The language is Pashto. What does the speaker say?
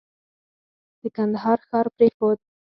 د کندهار ښار پرېښود.